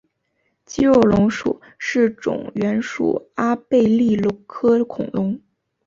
肌肉龙属是种原始阿贝力龙科恐龙。